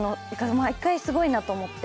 毎回すごいなと思って。